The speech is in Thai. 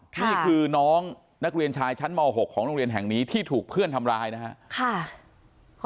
นี่คือน้องนักเรียนชายชั้นม๖ของโรงเรียนแห่งนี้ที่ถูกเพื่อนทำร้ายนะครับ